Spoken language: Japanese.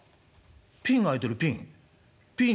ピンが空いてるピン。